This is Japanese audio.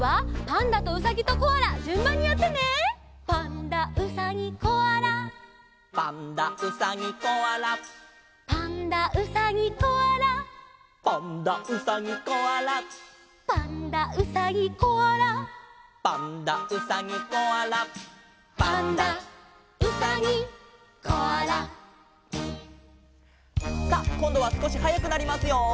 「パンダうさぎコアラ」「パンダうさぎコアラ」「パンダうさぎコアラ」「パンダうさぎコアラ」「パンダうさぎコアラ」「パンダうさぎコアラ」「パンダうさぎコアラ」さあこんどはすこしはやくなりますよ。